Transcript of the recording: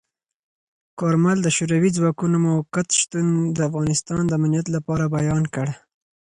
کارمل د شوروي ځواکونو موقت شتون د افغانستان د امنیت لپاره بیان کړ.